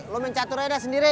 lo main catur aja deh sendiri